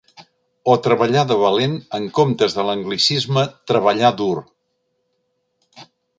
O treballar de valent en comptes de l'anglicisme treballar dur.